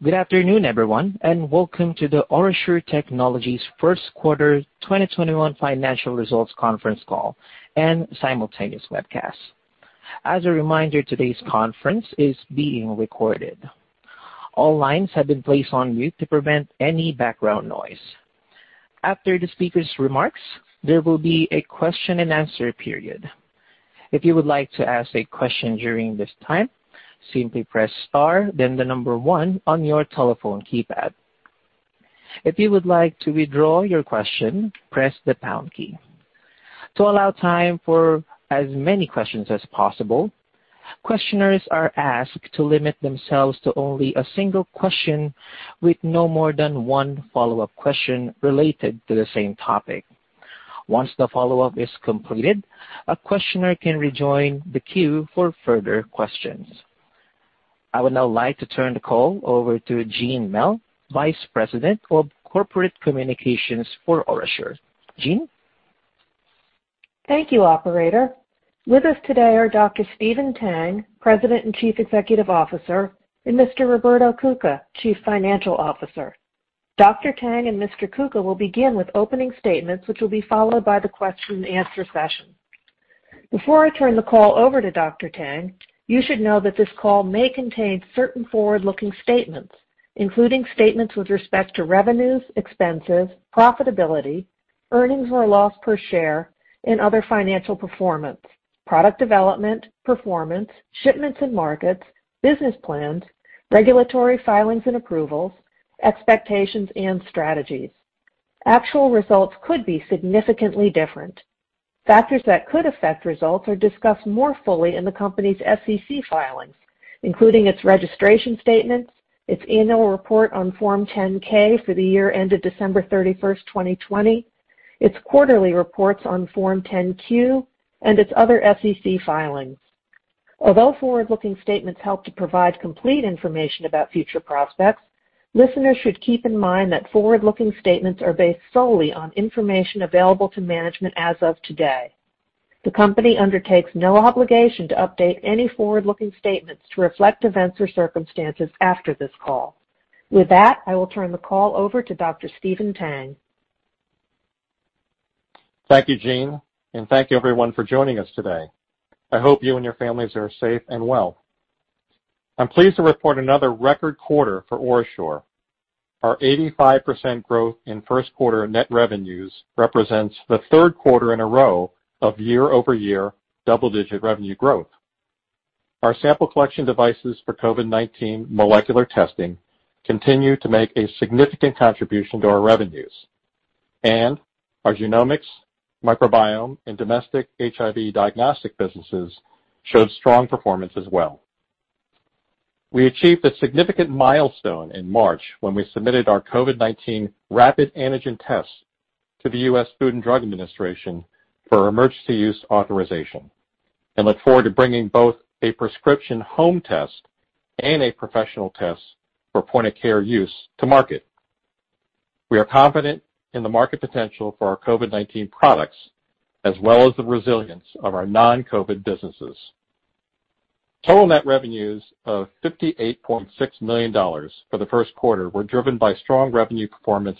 Good afternoon, everyone, and welcome to the OraSure Technologies first quarter 2021 financial results conference call and simultaneous webcast. As a reminder, today's conference is being recorded. All lines have been placed on mute to prevent any background noise. After the speaker's remarks, there will be a question and answer period. If you would like to ask a question during this time, simply press star then the number 1 on your telephone keypad. If you would like to withdraw your question, press the pound key. To allow time for as many questions as possible, questioners are asked to limit themselves to only a single question with no more than one follow-up question related to the same topic. Once the follow-up is completed, a questioner can rejoin the queue for further questions. I would now like to turn the call over to Jeanne Mell, Vice President of Corporate Communications for OraSure. Jeanne? Thank you, operator. With us today are Dr. Stephen Tang, President and Chief Executive Officer, and Mr. Roberto Cuca, Chief Financial Officer. Dr. Tang and Mr. Cuca will begin with opening statements, which will be followed by the question and answer session. Before I turn the call over to Dr. Tang, you should know that this call may contain certain forward-looking statements, including statements with respect to revenues, expenses, profitability, earnings or loss per share and other financial performance, product development, performance, shipments and markets, business plans, regulatory filings and approvals, expectations and strategies. Actual results could be significantly different. Factors that could affect results are discussed more fully in the company's SEC filings, including its registration statements, its annual report on Form 10-K for the year ended December 31st, 2020, its quarterly reports on Form 10-Q, and its other SEC filings. Although forward-looking statements help to provide complete information about future prospects, listeners should keep in mind that forward-looking statements are based solely on information available to management as of today. The company undertakes no obligation to update any forward-looking statements to reflect events or circumstances after this call. With that, I will turn the call over to Dr. Stephen Tang. Thank you, Jeanne, and thank you, everyone, for joining us today. I hope you and your families are safe and well. I'm pleased to report another record quarter for OraSure. Our 85% growth in first quarter net revenues represents the third quarter in a row of year-over-year double-digit revenue growth. Our sample collection devices for COVID-19 molecular testing continue to make a significant contribution to our revenues, and our genomics, microbiome, and domestic human immunodeficiency virus diagnostic businesses showed strong performance as well. We achieved a significant milestone in March when we submitted our COVID-19 rapid antigen tests to the U.S. Food and Drug Administration for emergency use authorization, and look forward to bringing both a prescription home test and a professional test for point-of-care use to market. We are confident in the market potential for our COVID-19 products, as well as the resilience of our non-COVID businesses. Total net revenues of $58.6 million for the first quarter were driven by strong revenue performance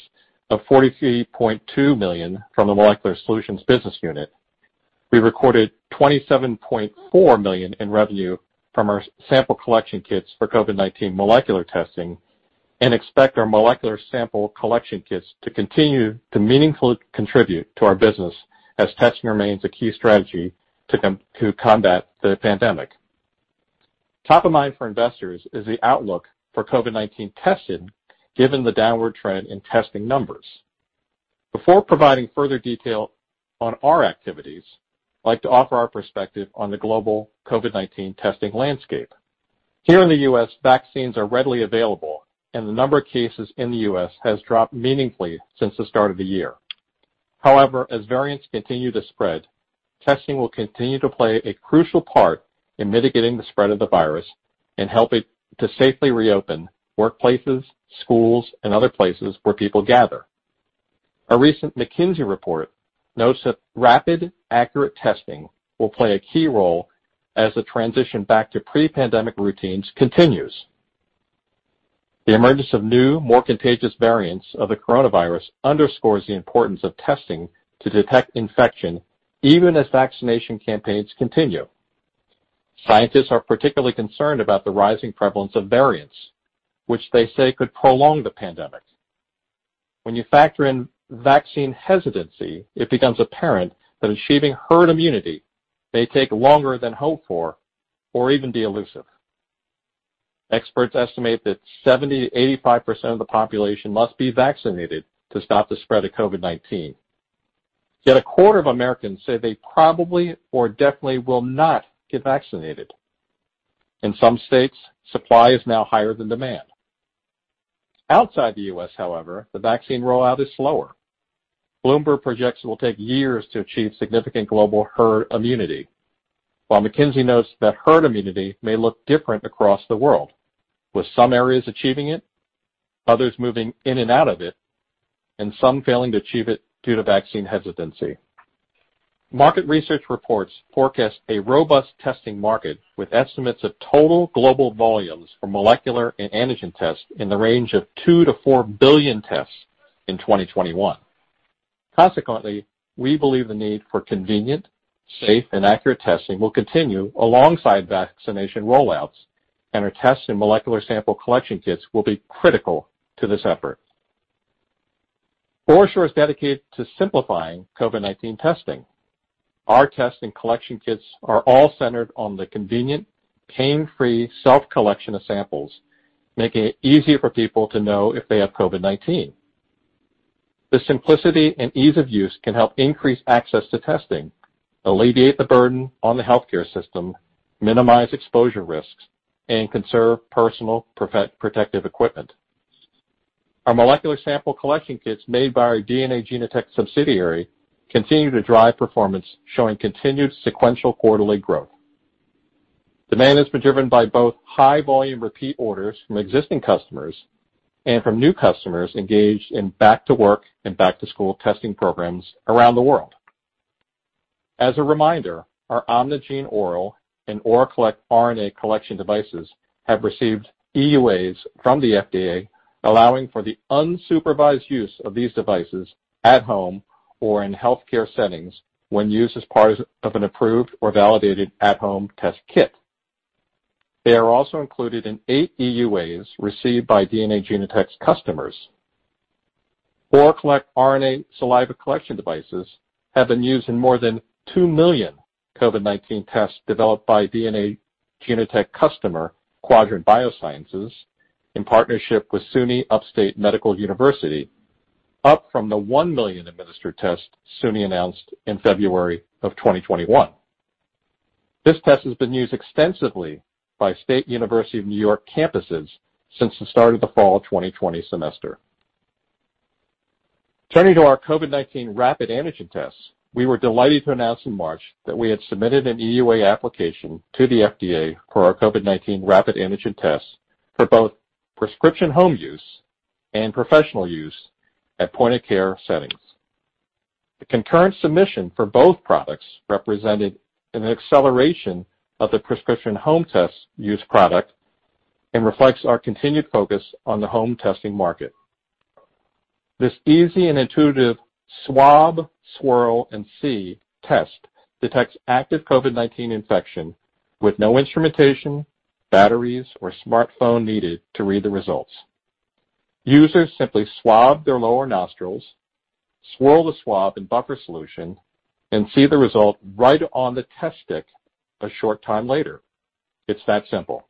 of $43.2 million from the molecular solutions business unit. We recorded $27.4 million in revenue from our sample collection kits for COVID-19 molecular testing and expect our molecular sample collection kits to continue to meaningfully contribute to our business as testing remains a key strategy to combat the pandemic. Top of mind for investors is the outlook for COVID-19 testing, given the downward trend in testing numbers. Before providing further detail on our activities, I'd like to offer our perspective on the global COVID-19 testing landscape. Here in the U.S., vaccines are readily available, and the number of cases in the U.S. has dropped meaningfully since the start of the year. However, as variants continue to spread, testing will continue to play a crucial part in mitigating the spread of the virus and helping to safely reopen workplaces, schools, and other places where people gather. A recent McKinsey report notes that rapid, accurate testing will play a key role as the transition back to pre-pandemic routines continues. The emergence of new, more contagious variants of the coronavirus underscores the importance of testing to detect infection even as vaccination campaigns continue. Scientists are particularly concerned about the rising prevalence of variants, which they say could prolong the pandemic. When you factor in vaccine hesitancy, it becomes apparent that achieving herd immunity may take longer than hoped for or even be elusive. Experts estimate that 70%-85% of the population must be vaccinated to stop the spread of COVID-19. Yet a quarter of Americans say they probably or definitely will not get vaccinated. In some states, supply is now higher than demand. Outside the U.S., however, the vaccine rollout is slower. Bloomberg projects it will take years to achieve significant global herd immunity, while McKinsey notes that herd immunity may look different across the world, with some areas achieving it, others moving in and out of it, and some failing to achieve it due to vaccine hesitancy. Market research reports forecast a robust testing market with estimates of total global volumes for molecular and antigen tests in the range of 2 billion-4 billion tests in 2021. We believe the need for convenient, safe, and accurate testing will continue alongside vaccination rollouts, and our test and molecular sample collection kits will be critical to this effort. OraSure is dedicated to simplifying COVID-19 testing. Our test and collection kits are all centered on the convenient, pain-free self collection of samples, making it easier for people to know if they have COVID-19. The simplicity and ease of use can help increase access to testing, alleviate the burden on the healthcare system, minimize exposure risks, and conserve personal protective equipment. Our molecular sample collection kits made by our DNA Genotek subsidiary continue to drive performance, showing continued sequential quarterly growth. Demand has been driven by both high volume repeat orders from existing customers and from new customers engaged in back-to-work and back-to-school testing programs around the world. As a reminder, our OMNIgene•ORAL and ORAcollect•RNA collection devices have received emergency use authorizations from the FDA, allowing for the unsupervised use of these devices at home or in healthcare settings when used as part of an approved or validated at-home test kit. They are also included in eight EUAs received by DNA Genotek's customers. ORAcollect•RNA saliva collection devices have been used in more than 2 million COVID-19 tests developed by DNA Genotek customer, Quadrant Biosciences, in partnership with SUNY Upstate Medical University, up from the 1 million administered tests SUNY announced in February of 2021. This test has been used extensively by State University of New York campuses since the start of the fall 2020 semester. Turning to our COVID-19 rapid antigen tests. We were delighted to announce in March that we had submitted an EUA application to the FDA for our COVID-19 rapid antigen tests for both prescription home use and professional use at point-of-care settings. The concurrent submission for both products represented an acceleration of the prescription home test use product and reflects our continued focus on the home testing market. This easy and intuitive swab, swirl, and see test detects active COVID-19 infection with no instrumentation, batteries, or smartphone needed to read the results. Users simply swab their lower nostrils, swirl the swab in buffer solution, and see the result right on the test stick a short time later. It's that simple.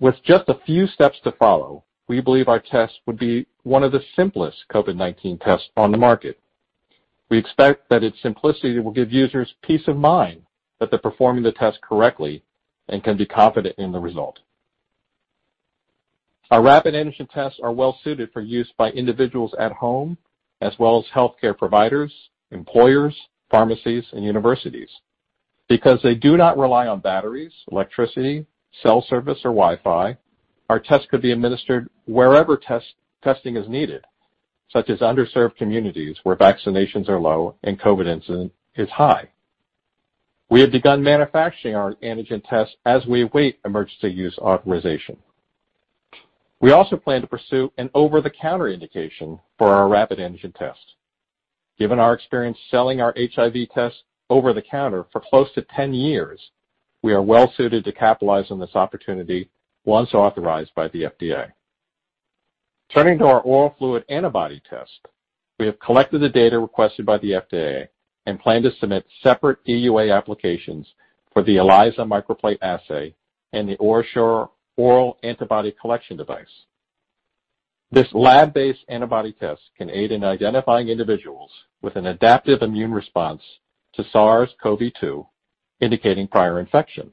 With just a few steps to follow, we believe our test would be one of the simplest COVID-19 tests on the market. We expect that its simplicity will give users peace of mind that they're performing the test correctly and can be confident in the result. Our rapid antigen tests are well-suited for use by individuals at home, as well as healthcare providers, employers, pharmacies, and universities. They do not rely on batteries, electricity, cell service, or Wi-Fi, our test could be administered wherever testing is needed, such as underserved communities where vaccinations are low and COVID-19 incidence is high. We have begun manufacturing our antigen test as we await Emergency Use Authorization. We also plan to pursue an over-the-counter indication for our rapid antigen test. Given our experience selling our HIV test over-the-counter for close to 10 years, we are well-suited to capitalize on this opportunity once authorized by the FDA. Turning to our oral fluid antibody test. We have collected the data requested by the FDA and plan to submit separate EUA applications for the enzyme-linked immunosorbent assay microplate assay and the OraSure Oral Antibody Collection Device. This lab-based antibody test can aid in identifying individuals with an adaptive immune response to SARS-CoV-2, indicating prior infection.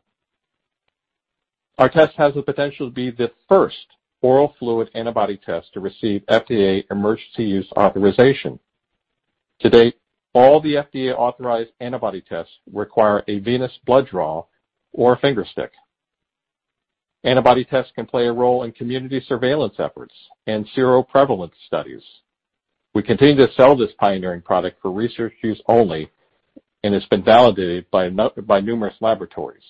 Our test has the potential to be the first oral fluid antibody test to receive FDA Emergency Use Authorization. To date, all the FDA-authorized antibody tests require a venous blood draw or finger stick. Antibody tests can play a role in community surveillance efforts and seroprevalence studies. We continue to sell this pioneering product for research use only, and it's been validated by numerous laboratories.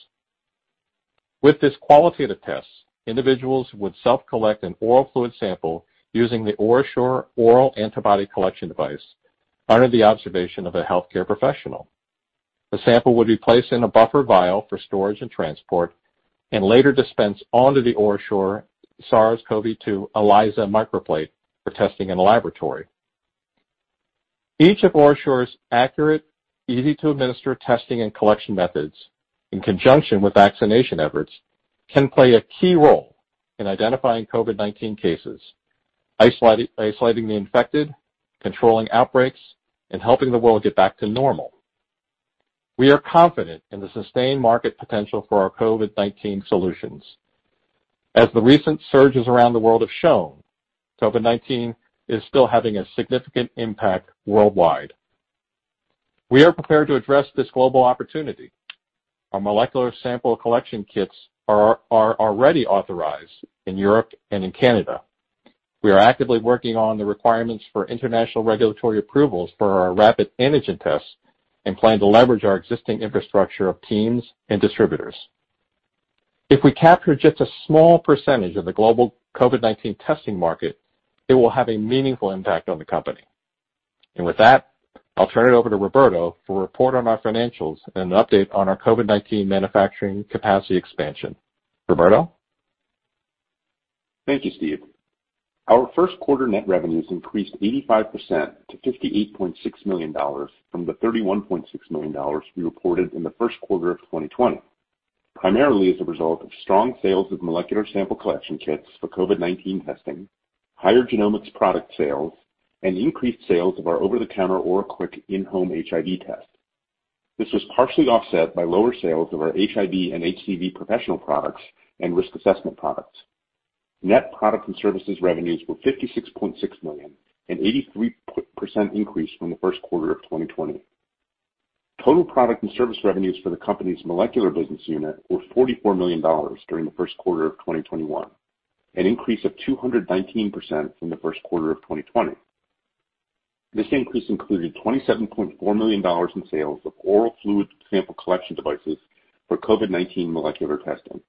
With this qualitative test, individuals would self-collect an oral fluid sample using the OraSure Oral Antibody Collection Device under the observation of a healthcare professional. The sample would be placed in a buffer vial for storage and transport, and later dispensed onto the OraSure SARS-CoV-2 ELISA microplate for testing in a laboratory. Each of OraSure's accurate, easy-to-administer testing and collection methods, in conjunction with vaccination efforts, can play a key role in identifying COVID-19 cases, isolating the infected, controlling outbreaks, and helping the world get back to normal. We are confident in the sustained market potential for our COVID-19 solutions. As the recent surges around the world have shown, COVID-19 is still having a significant impact worldwide. We are prepared to address this global opportunity. Our molecular sample collection kits are already authorized in Europe and in Canada. We are actively working on the requirements for international regulatory approvals for our rapid antigen tests and plan to leverage our existing infrastructure of teams and distributors. If we capture just a small percentage of the global COVID-19 testing market, it will have a meaningful impact on the company. With that, I'll turn it over to Roberto for a report on our financials and an update on our COVID-19 manufacturing capacity expansion. Roberto Cuca? Thank you, Stephen. Our first quarter net revenues increased 85% to $58.6 million from the $31.6 million we reported in the first quarter of 2020, primarily as a result of strong sales of molecular sample collection kits for COVID-19 testing, higher genomics product sales, and increased sales of our over-the-counter OraQuick In-Home HIV test. This was partially offset by lower sales of our HIV and HCV professional products and risk assessment products. Net product and services revenues were $56.6 million, an 83% increase from the first quarter of 2020. Total product and service revenues for the company's molecular business unit were $44 million during the first quarter of 2021, an increase of 219% from the first quarter of 2020. This increase included $27.4 million in sales of oral fluid sample collection devices for COVID-19 molecular testing.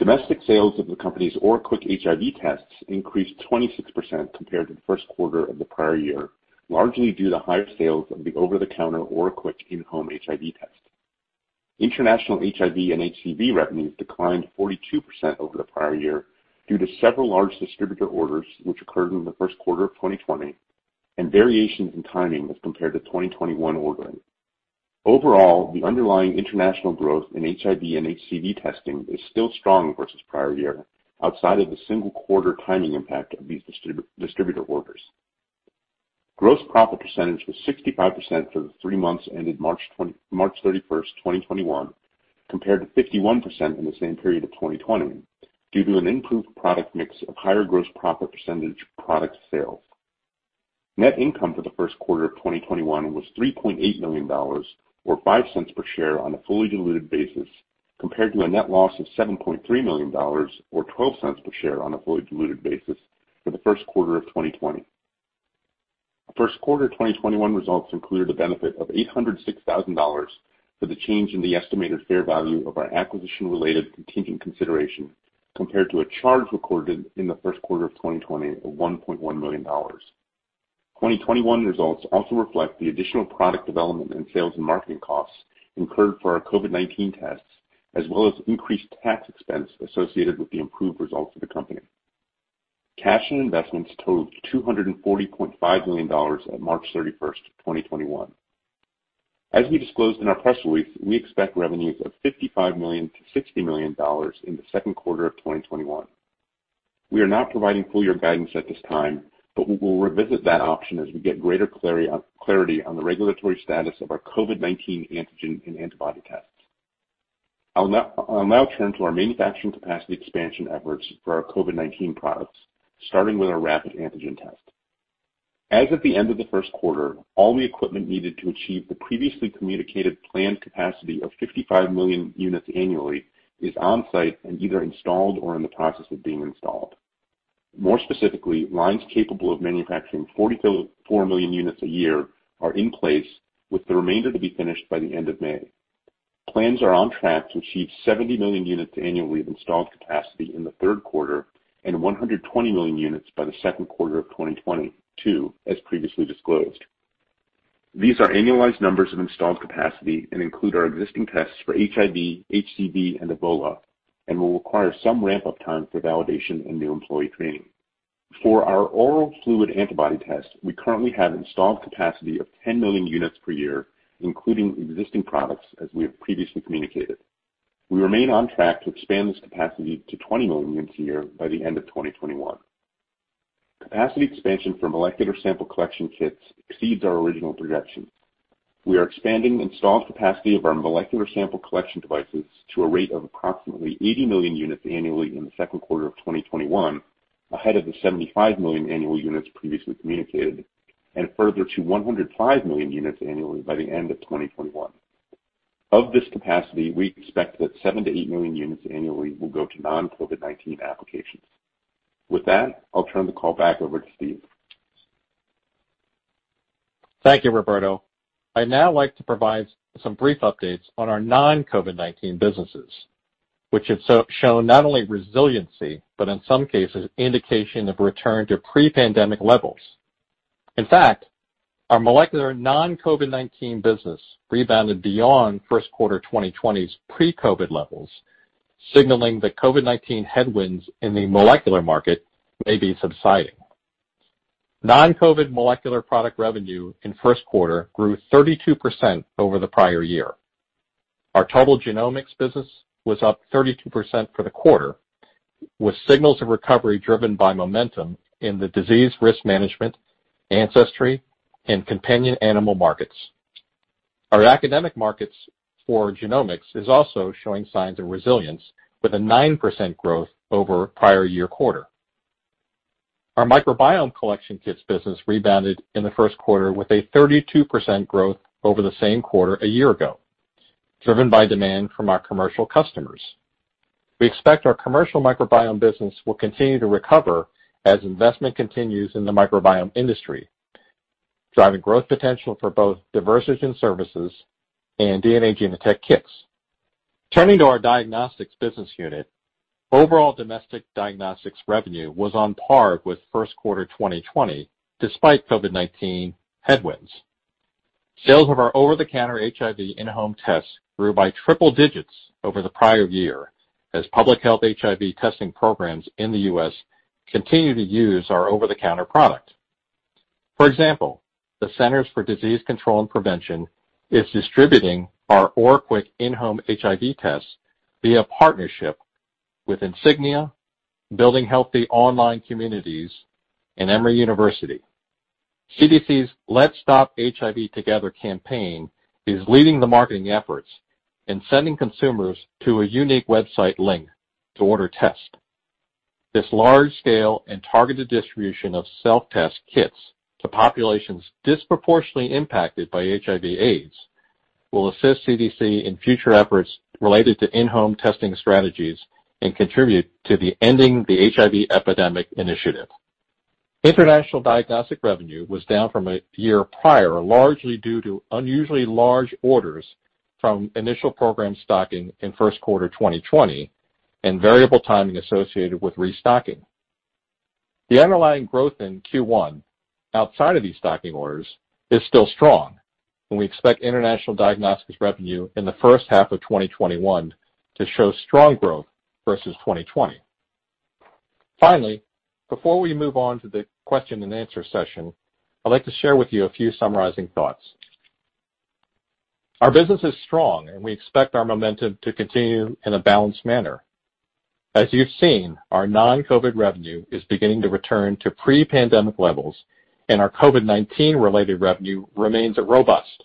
Domestic sales of the company's OraQuick HIV tests increased 26% compared to the first quarter of the prior year, largely due to higher sales of the over-the-counter OraQuick In-Home HIV test. International HIV and hepatitis C virus revenues declined 42% over the prior year due to several large distributor orders which occurred in the first quarter of 2020 and variations in timing as compared to 2021 ordering. Overall, the underlying international growth in HIV and HCV testing is still strong versus prior year, outside of the single quarter timing impact of these distributor orders. Gross profit percentage was 65% for the three months ended March 31st, 2021, compared to 51% in the same period of 2020 due to an improved product mix of higher gross profit percentage product sales. Net income for the first quarter of 2021 was $3.8 million, or $0.05 per share on a fully diluted basis, compared to a net loss of $7.3 million or $0.12 per share on a fully diluted basis for the first quarter of 2020. First quarter 2021 results included a benefit of $806,000 for the change in the estimated fair value of our acquisition-related contingent consideration, compared to a charge recorded in the first quarter of 2020 of $1.1 million. 2021 results also reflect the additional product development and sales and marketing costs incurred for our COVID-19 tests, as well as increased tax expense associated with the improved results of the company. Cash and investments totaled $240.5 million at March 31st, 2021. As we disclosed in our press release, we expect revenues of $55 million-$60 million in the second quarter of 2021. We are not providing full year guidance at this time, but we will revisit that option as we get greater clarity on the regulatory status of our COVID-19 antigen and antibody tests. I'll now turn to our manufacturing capacity expansion efforts for our COVID-19 products, starting with our rapid antigen test. As of the end of the first quarter, all the equipment needed to achieve the previously communicated planned capacity of 55 million units annually is on-site and either installed or in the process of being installed. More specifically, lines capable of manufacturing 44 million units a year are in place, with the remainder to be finished by the end of May. Plans are on track to achieve 70 million units annually of installed capacity in the third quarter and 120 million units by the second quarter of 2022, as previously disclosed. These are annualized numbers of installed capacity and include our existing tests for HIV, HCV, and Ebola, and will require some ramp-up time for validation and new employee training. For our oral fluid antibody test, we currently have installed capacity of 10 million units per year, including existing products as we have previously communicated. We remain on track to expand this capacity to 20 million units a year by the end of 2021. Capacity expansion for molecular sample collection kits exceeds our original projections. We are expanding installed capacity of our molecular sample collection devices to a rate of approximately 80 million units annually in the second quarter of 2021, ahead of the 75 million annual units previously communicated, and further to 105 million units annually by the end of 2021. Of this capacity, we expect that seven to eight million units annually will go to non-COVID-19 applications. With that, I'll turn the call back over to Stephen Tang. Thank you, Roberto. I'd now like to provide some brief updates on our non-COVID-19 businesses, which have shown not only resiliency, but in some cases, indication of return to pre-pandemic levels. In fact, our molecular non-COVID-19 business rebounded beyond first quarter 2020's pre-COVID levels, signaling that COVID-19 headwinds in the molecular market may be subsiding. Non-COVID molecular product revenue in first quarter grew 32% over the prior year. Our total genomics business was up 32% for the quarter, with signals of recovery driven by momentum in the disease risk management, ancestry, and companion animal markets. Our academic markets for genomics is also showing signs of resilience with a 9% growth over prior year quarter. Our microbiome collection kits business rebounded in the first quarter with a 32% growth over the same quarter a year ago, driven by demand from our commercial customers. We expect our commercial microbiome business will continue to recover as investment continues in the microbiome industry, driving growth potential for both Diversigen services and DNA Genotek kits. Turning to our diagnostics business unit, overall domestic diagnostics revenue was on par with first quarter 2020, despite COVID-19 headwinds. Sales of our over-the-counter HIV in-home tests grew by triple digits over the prior year, as public health HIV testing programs in the U.S. continue to use our over-the-counter product. For example, the Centers for Disease Control and Prevention is distributing our OraQuick In-Home HIV Test via partnership with Insignia, Building Healthy Online Communities, and Emory University. Centers for Disease Control and Prevention's Let's Stop HIV Together campaign is leading the marketing efforts and sending consumers to a unique website link to order tests. This large scale and targeted distribution of self-test kits to populations disproportionately impacted by HIV/AIDS will assist CDC in future efforts related to in-home testing strategies and contribute to the Ending the HIV Epidemic initiative. International diagnostic revenue was down from a year prior, largely due to unusually large orders from initial program stocking in first quarter 2020 and variable timing associated with restocking. The underlying growth in Q1, outside of these stocking orders, is still strong, and we expect international diagnostics revenue in the first half of 2021 to show strong growth versus 2020. Finally, before we move on to the question and answer session, I'd like to share with you a few summarizing thoughts. Our business is strong, and we expect our momentum to continue in a balanced manner. As you've seen, our non-COVID revenue is beginning to return to pre-pandemic levels, and our COVID-19 related revenue remains robust.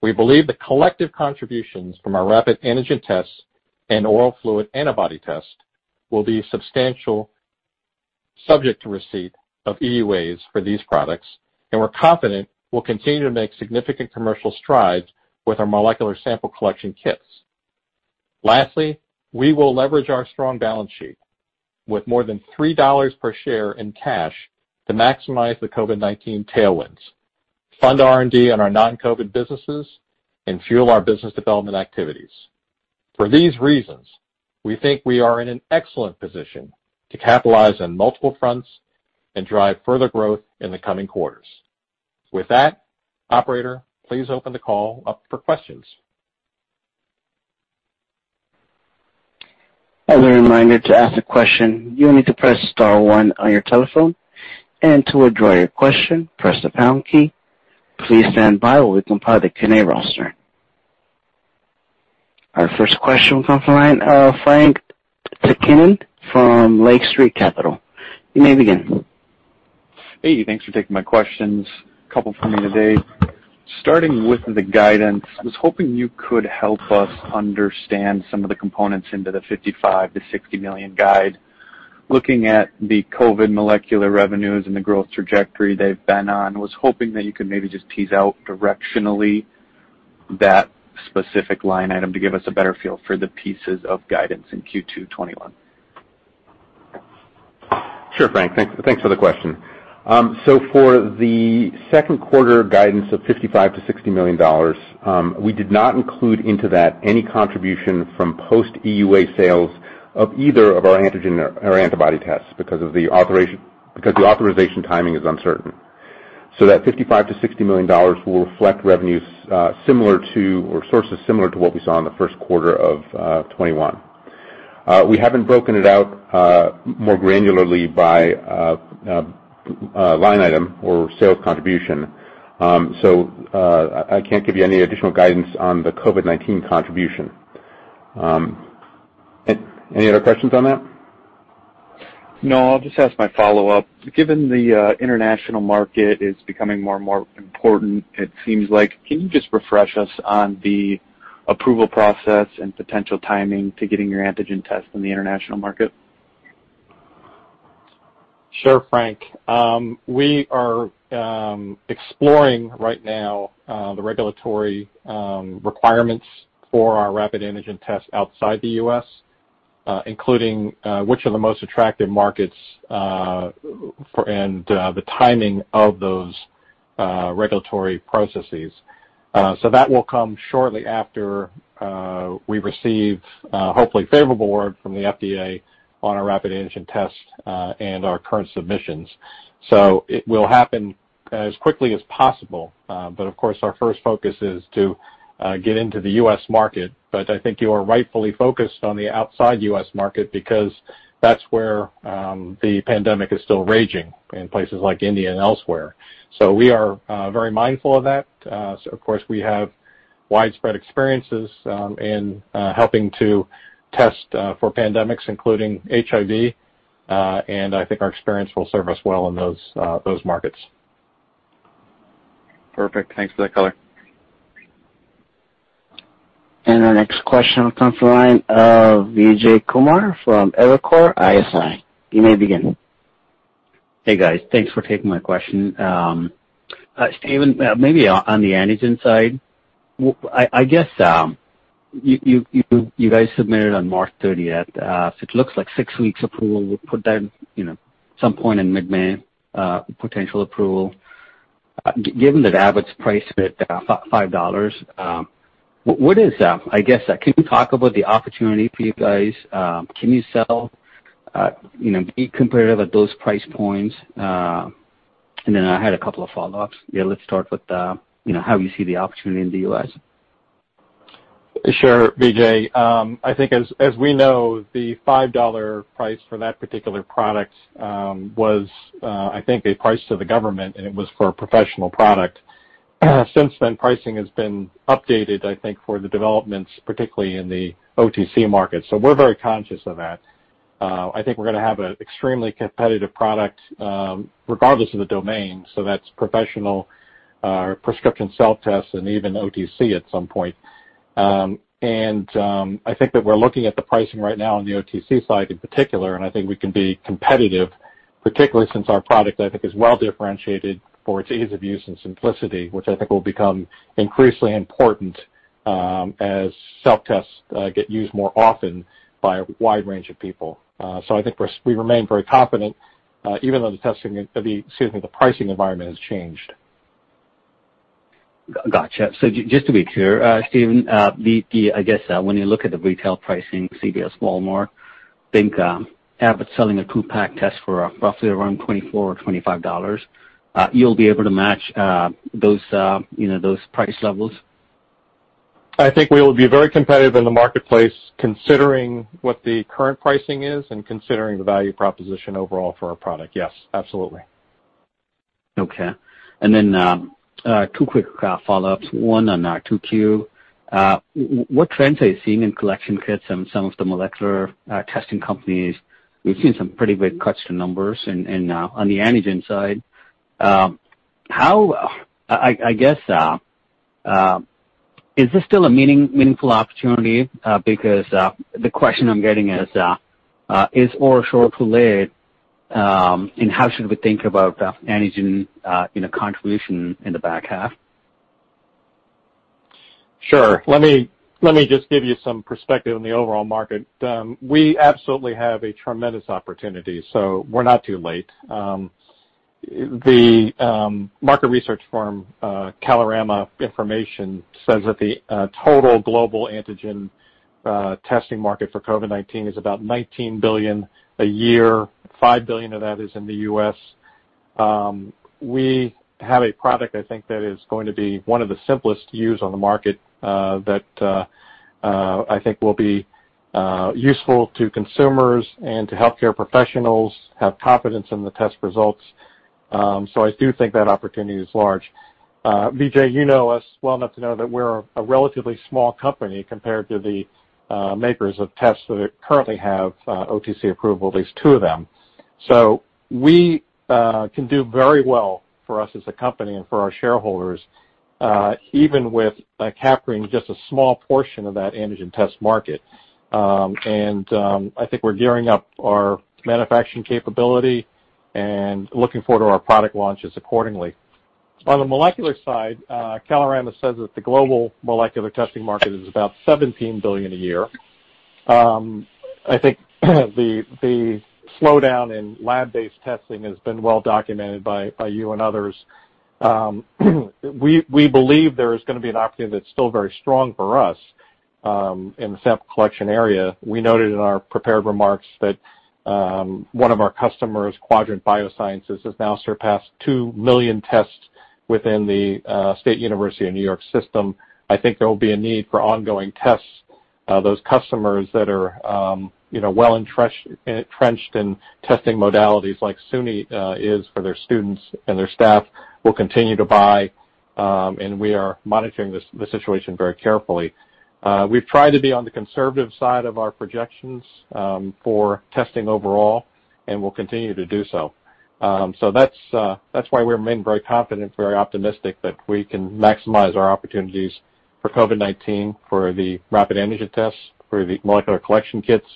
We believe the collective contributions from our rapid antigen tests and oral fluid antibody test will be substantial, subject to receipt of EUAs for these products, and we're confident we'll continue to make significant commercial strides with our molecular sample collection kits. Lastly, we will leverage our strong balance sheet with more than $3 per share in cash to maximize the COVID-19 tailwinds, fund R&D on our non-COVID businesses, and fuel our business development activities. For these reasons, we think we are in an excellent position to capitalize on multiple fronts and drive further growth in the coming quarters. With that, operator, please open the call up for questions. As a reminder, to ask a question, you will need to press star one on your telephone, and to withdraw your question, press the pound key. Please stand by while we compile the Q&A roster. Our first question will come from the line of Frank Takkinen from Lake Street Capital. You may begin. Hey, thanks for taking my questions. A couple from me today. Starting with the guidance, I was hoping you could help us understand some of the components into the $55 million-$60 million guide. Looking at the COVID molecular revenues and the growth trajectory they've been on, was hoping that you could maybe just tease out directionally that specific line item to give us a better feel for the pieces of guidance in Q2 2021. Sure, Frank. Thanks for the question. For the second quarter guidance of $55 million-$60 million, we did not include into that any contribution from post-EUA sales of either of our antigen or antibody tests because the authorization timing is uncertain. That $55 million-$60 million will reflect revenues similar to, or sources similar to what we saw in the first quarter of 2021. We haven't broken it out more granularly by line item or sales contribution, so I can't give you any additional guidance on the COVID-19 contribution. Any other questions on that? I'll just ask my follow-up. Given the international market is becoming more and more important it seems like, can you just refresh us on the approval process and potential timing to getting your antigen test in the international market? Sure, Frank. We are exploring right now the regulatory requirements for our rapid antigen test outside the U.S., including which are the most attractive markets and the timing of those regulatory processes. That will come shortly after we receive, hopefully, favorable word from the FDA on our rapid antigen test and our current submissions. It will happen as quickly as possible, but of course, our first focus is to get into the U.S. market. I think you are rightfully focused on the outside U.S. market because that's where the pandemic is still raging, in places like India and elsewhere. We are very mindful of that. Of course, we have widespread experiences in helping to test for pandemics, including HIV, and I think our experience will serve us well in those markets. Perfect. Thanks for that color. Our next question comes from the line of Vijay Kumar from Evercore ISI. You may begin. Hey, guys. Thanks for taking my question. Stephen, maybe on the antigen side, I guess you guys submitted on March 30th. It looks like six weeks approval would put that, some point in mid-May, potential approval. Given that Abbott's priced it at $5, what is, I guess, can you talk about the opportunity for you guys? Can you sell, be competitive at those price points? I had a couple of follow-ups. Let's start with how you see the opportunity in the U.S. Sure, Vijay. I think as we know, the $5 price for that particular product was, I think a price to the government, and it was for a professional product. Since then, pricing has been updated, I think, for the developments, particularly in the over-the-counter market. We're very conscious of that. I think we're going to have an extremely competitive product, regardless of the domain. That's professional prescription self-tests and even OTC at some point. I think that we're looking at the pricing right now on the OTC side in particular, and I think we can be competitive, particularly since our product, I think, is well-differentiated for its ease of use and simplicity, which I think will become increasingly important as self-tests get used more often by a wide range of people. I think we remain very confident, even though the pricing environment has changed. Got you. Just to be clear, Stephen, I guess when you look at the retail pricing, CVS, Walmart, I think Abbott's selling a two-pack test for roughly around $24 or $25. You'll be able to match those price levels? I think we will be very competitive in the marketplace, considering what the current pricing is and considering the value proposition overall for our product. Yes, absolutely. Okay. Two quick follow-ups. One on 2Q. What trends are you seeing in collection kits and some of the molecular testing companies? We've seen some pretty big cuts to numbers and on the antigen side. I guess, is this still a meaningful opportunity? The question I'm getting is OraSure too late, and how should we think about antigen in a contribution in the back half? Sure. Let me just give you some perspective on the overall market. We're not too late. The market research firm Kalorama Information says that the total global antigen testing market for COVID-19 is about $19 billion a year. $5 billion of that is in the U.S. We have a product, I think, that is going to be one of the simplest to use on the market, that I think will be useful to consumers and to healthcare professionals, have confidence in the test results. I do think that opportunity is large. Vijay, you know us well enough to know that we're a relatively small company compared to the makers of tests that currently have OTC approval, at least two of them. We can do very well for us as a company and for our shareholders, even with capturing just a small portion of that antigen test market. I think we're gearing up our manufacturing capability and looking forward to our product launches accordingly. On the molecular side, Kalorama says that the global molecular testing market is about $17 billion a year. I think the slowdown in lab-based testing has been well documented by you and others. We believe there is going to be an opportunity that's still very strong for us in the sample collection area. We noted in our prepared remarks that one of our customers, Quadrant Biosciences, has now surpassed 2 million tests within the State University of New York system. I think there will be a need for ongoing tests. Those customers that are well-entrenched in testing modalities like SUNY is for their students and their staff will continue to buy, and we are monitoring the situation very carefully. We've tried to be on the conservative side of our projections for testing overall, and we'll continue to do so. That's why we remain very confident, very optimistic that we can maximize our opportunities for COVID-19, for the rapid antigen tests, for the molecular collection kits,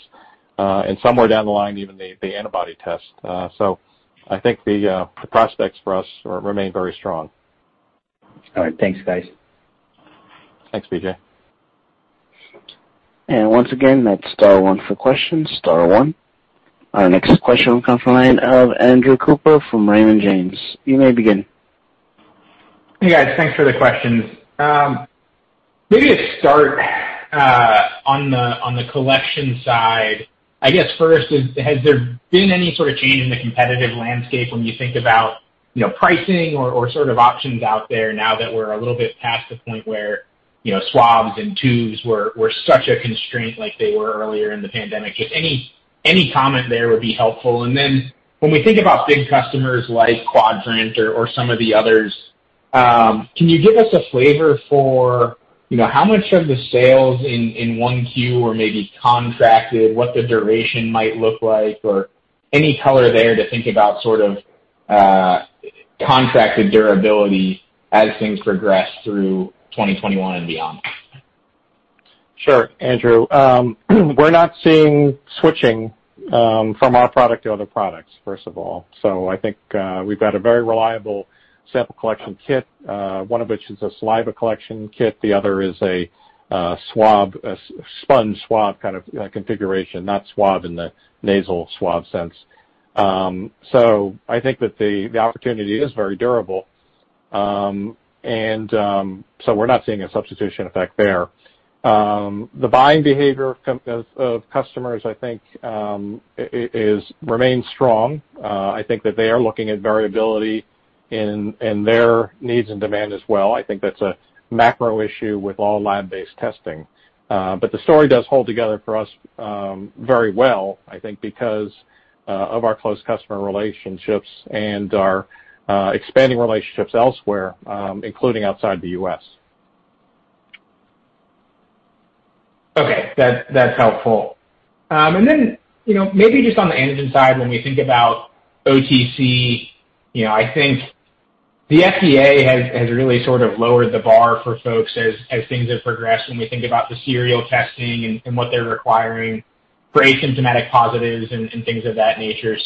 and somewhere down the line, even the antibody test. I think the prospects for us remain very strong. All right. Thanks, guys. Thanks, Vijay. Once again, that's star one for questions. Star one. Our next question will come from the line of Andrew Cooper from Raymond James. You may begin. Hey, guys, thanks for the questions. Maybe to start on the collection side, I guess first, has there been any sort of change in the competitive landscape when you think about pricing or sort of options out there now that we're a little bit past the point where swabs and tubes were such a constraint like they were earlier in the pandemic? Just any comment there would be helpful. When we think about big customers like Quadrant or some of the others, can you give us a flavor for how much of the sales in 1Q were maybe contracted, what the duration might look like or any color there to think about sort of-contracted durability as things progress through 2021 and beyond? Sure, Andrew. We're not seeing switching from our product to other products, first of all. I think we've got a very reliable sample collection kit, one of which is a saliva collection kit, the other is a sponge swab kind of configuration, not swab in the nasal swab sense. I think that the opportunity is very durable, so we're not seeing a substitution effect there. The buying behavior of customers, I think, remains strong. I think that they are looking at variability in their needs and demand as well. I think that's a macro issue with all lab-based testing. The story does hold together for us very well, I think because of our close customer relationships and our expanding relationships elsewhere, including outside the U.S. Okay. That's helpful. Then, maybe just on the antigen side, when we think about OTC, I think the FDA has really sort of lowered the bar for folks as things have progressed, when we think about the serial testing and what they're requiring for asymptomatic positives and things of that nature.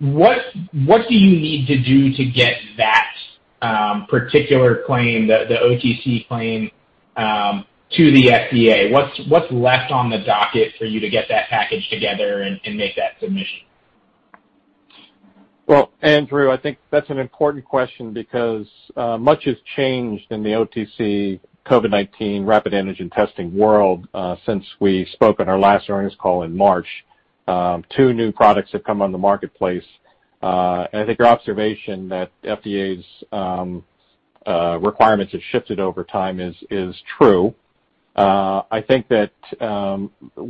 What do you need to do to get that particular claim, the OTC claim, to the FDA? What's left on the docket for you to get that package together and make that submission? Well, Andrew, I think that is an important question because much has changed in the OTC COVID-19 rapid antigen testing world since we spoke on our last earnings call in March. Two new products have come on the marketplace. I think your observation that FDA's requirements have shifted over time is true. I think that we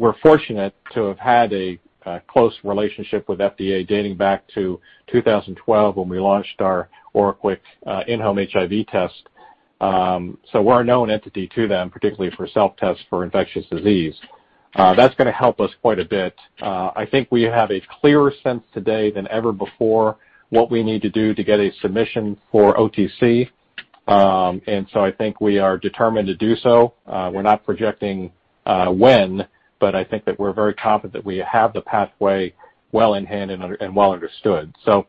are fortunate to have had a close relationship with FDA dating back to 2012 when we launched our OraQuick In-Home HIV Test. We are a known entity to them, particularly for self-tests for infectious disease. That is going to help us quite a bit. I think we have a clearer sense today than ever before what we need to do to get a submission for OTC. I think we are determined to do so. We're not projecting when, but I think that we're very confident we have the pathway well in hand and well understood. There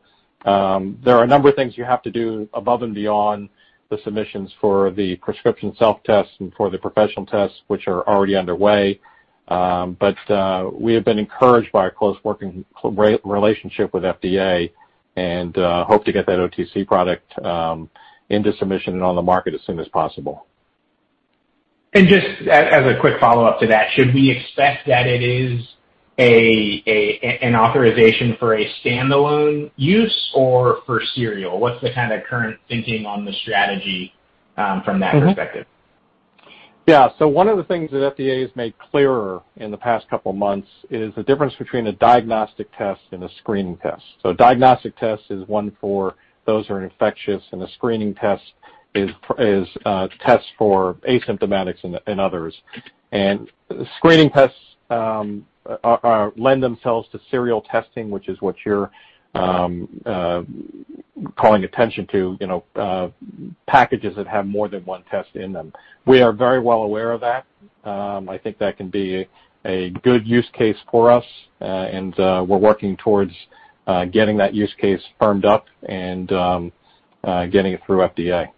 are a number of things you have to do above and beyond the submissions for the prescription self-test and for the professional test, which are already underway. We have been encouraged by our close working relationship with FDA and hope to get that OTC product into submission and on the market as soon as possible. Just as a quick follow-up to that, should we expect that it is an authorization for a standalone use or for serial? What's the kind of current thinking on the strategy from that perspective? Yeah. One of the things that FDA has made clearer in the past couple of months is the difference between a diagnostic test and a screening test. A diagnostic test is one for those who are infectious, and a screening test is a test for asymptomatics and others. Screening tests lend themselves to serial testing, which is what you're calling attention to, packages that have more than one test in them. We are very well aware of that. I think that can be a good use case for us, and we're working towards getting that use case firmed up and getting it through FDA.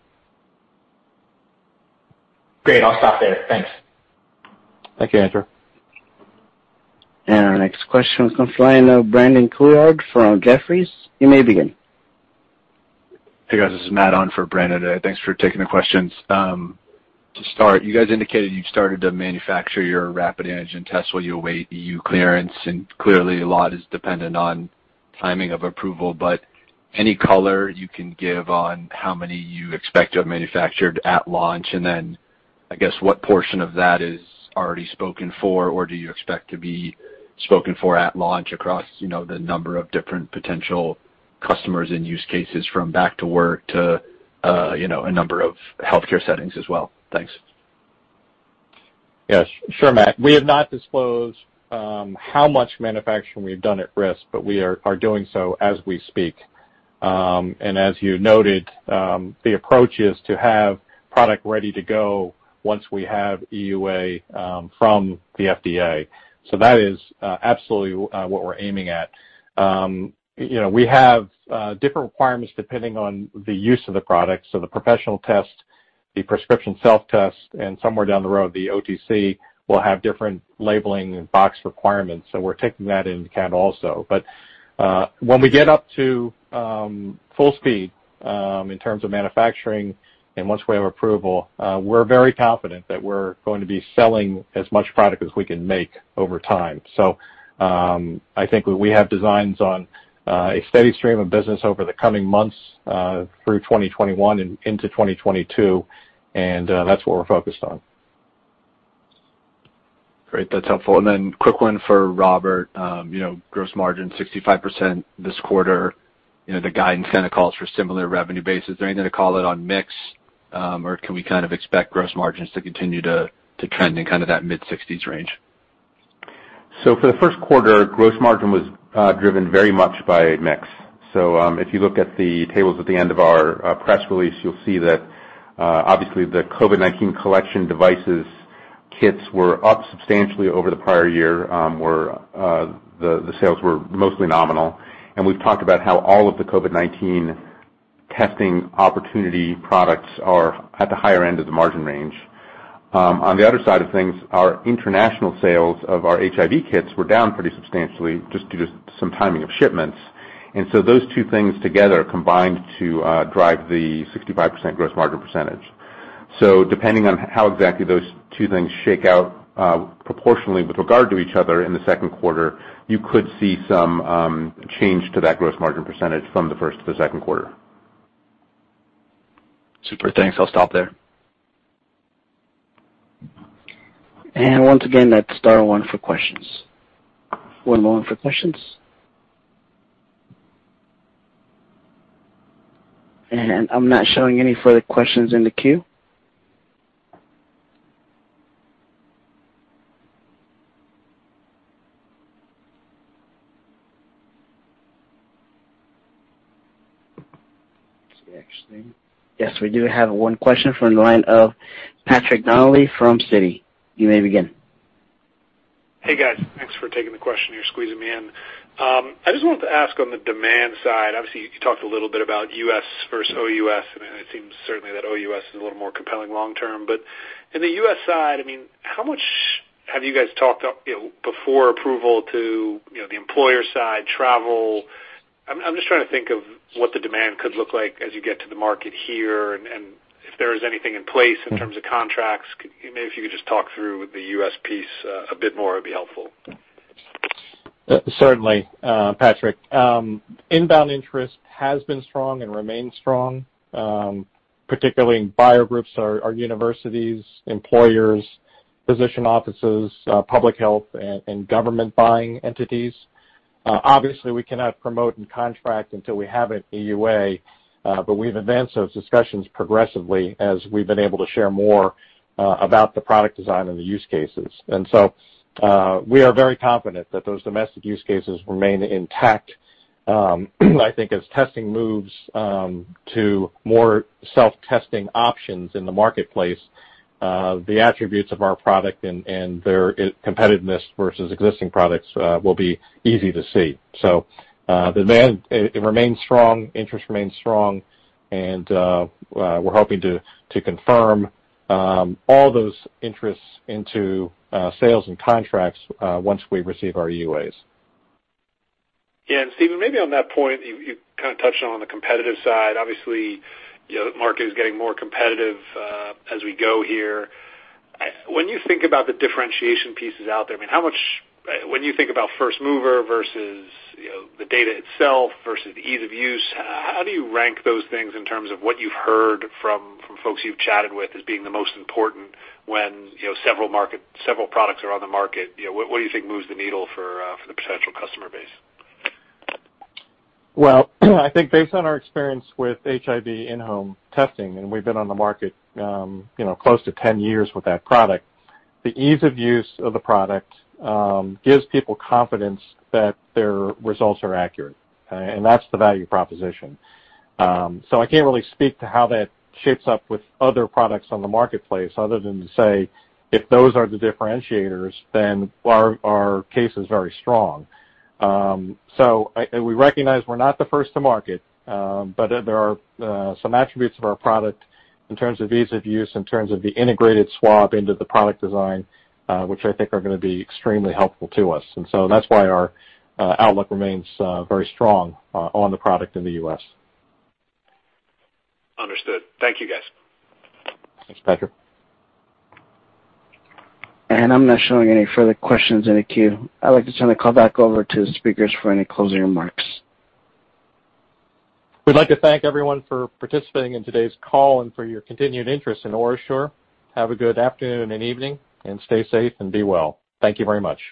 Great. I'll stop there. Thanks. Thank you, Andrew. Our next question comes from the line of Brandon Couillard from Jefferies. You may begin. Hey, guys. This is Matt Stanton on for Brandon Couillard today. Thanks for taking the questions. To start, you guys indicated you started to manufacture your rapid antigen test while you await EU clearance. Clearly a lot is dependent on timing of approval, any color you can give on how many you expect to have manufactured at launch? Then, I guess, what portion of that is already spoken for, or do you expect to be spoken for at launch across the number of different potential customers and use cases from back to work to a number of healthcare settings as well? Thanks. Yes. Sure, Matt. We have not disclosed how much manufacturing we've done at risk, but we are doing so as we speak. As you noted, the approach is to have product ready to go once we have EUA from the FDA. That is absolutely what we're aiming at. We have different requirements depending on the use of the product. The professional test, the prescription self-test, and somewhere down the road, the OTC, will have different labeling and box requirements, so we're taking that into account also. When we get up to full speed in terms of manufacturing, and once we have approval, we're very confident that we're going to be selling as much product as we can make over time. I think we have designs on a steady stream of business over the coming months through 2021 and into 2022, and that's what we're focused on. Great. That's helpful. Quick one for Roberto Cuca. Gross margin 65% this quarter. The guidance kind of calls for similar revenue basis. Is there anything to call out on mix, or can we kind of expect gross margins to continue to trend in kind of that mid-sixties range? For the first quarter, gross margin was driven very much by mix. If you look at the tables at the end of our press release, you'll see that obviously the COVID-19 collection devices kits were up substantially over the prior year, where the sales were mostly nominal, and we've talked about how all of the COVID-19 testing opportunity products are at the higher end of the margin range. On the other side of things, our international sales of our HIV kits were down pretty substantially just due to some timing of shipments. Those two things together combined to drive the 65% gross margin percentage. Depending on how exactly those two things shake out proportionally with regard to each other in the second quarter, you could see some change to that gross margin percentage from the first to the second quarter. Super. Thanks. I'll stop there. Once again, that's star one for questions. One more for questions. I'm not showing any further questions in the queue. Let's see, actually. Yes, we do have one question from the line of Patrick Donnelly from Citi. You may begin. Hey, guys. Thanks for taking the question here, squeezing me in. I just wanted to ask on the demand side, obviously, you talked a little bit about U.S. versus outside the United States. It seems certainly that OUS is a little more compelling long term. In the U.S. side, how much have you guys talked before approval to the employer side, travel? I'm just trying to think of what the demand could look like as you get to the market here and if there is anything in place in terms of contracts. Maybe if you could just talk through the U.S. piece a bit more, it'd be helpful. Certainly, Patrick. Inbound interest has been strong and remains strong, particularly in buyer groups, our universities, employers, physician offices, public health, and government buying entities. Obviously, we cannot promote and contract until we have an EUA, we've advanced those discussions progressively as we've been able to share more about the product design and the use cases. We are very confident that those domestic use cases remain intact. I think as testing moves to more self-testing options in the marketplace, the attributes of our product and their competitiveness versus existing products will be easy to see. Demand, it remains strong, interest remains strong, and we're hoping to confirm all those interests into sales and contracts once we receive our EUAs. Yeah. Stephen, maybe on that point, you kind of touched on the competitive side. Obviously, the market is getting more competitive as we go here. When you think about the differentiation pieces out there, when you think about first mover versus the data itself, versus ease of use, how do you rank those things in terms of what you've heard from folks you've chatted with as being the most important when several products are on the market? What do you think moves the needle for the potential customer base? I think based on our experience with HIV in-home testing, and we've been on the market close to 10 years with that product, the ease of use of the product gives people confidence that their results are accurate, and that's the value proposition. I can't really speak to how that shapes up with other products on the marketplace other than to say, if those are the differentiators, then our case is very strong. We recognize we're not the first to market, but there are some attributes of our product in terms of ease of use, in terms of the integrated swab into the product design, which I think are going to be extremely helpful to us. That's why our outlook remains very strong on the product in the U.S. Understood. Thank you, guys. Thanks, Patrick. I'm not showing any further questions in the queue. I'd like to turn the call back over to the speakers for any closing remarks. We'd like to thank everyone for participating in today's call and for your continued interest in OraSure. Have a good afternoon and evening, and stay safe and be well. Thank you very much.